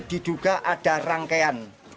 diduga ada rangkaian